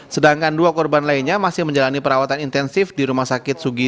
sedangkan dua korban lainnya masih menjalani perawatan intensif di rumah sakit sugi